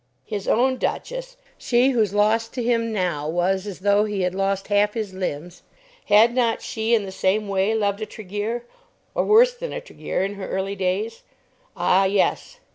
His own Duchess, she whose loss to him now was as though he had lost half his limbs, had not she in the same way loved a Tregear, or worse than a Tregear, in her early days? Ah yes!